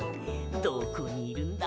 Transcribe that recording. どこにいるんだ？